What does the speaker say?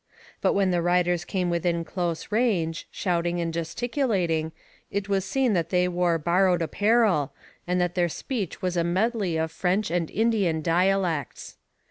But when the riders came within close range, shouting and gesticulating, it was seen that they wore borrowed apparel, and that their speech was a medley of French and Indian dialects.